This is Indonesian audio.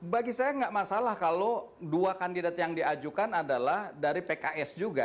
bagi saya nggak masalah kalau dua kandidat yang diajukan adalah dari pks juga